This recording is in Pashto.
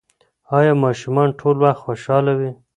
ایا ماشومان ټول وخت خوشحاله وي؟